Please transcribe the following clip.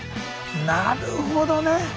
なるほどね！